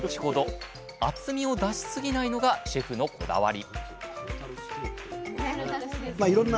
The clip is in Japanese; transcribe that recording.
厚みを出しすぎないのがシェフのこだわり